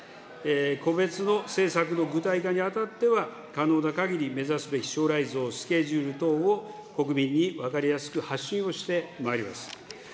個別の政策の具体化にあたっては、可能なかぎり、目指すべき将来像、スケジュール等を国民に分かりやすく発信をしてまいります。